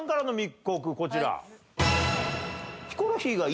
こちら。